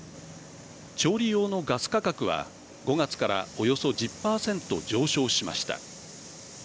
調理用のガス価格は５月からおよそ１０％上昇しました。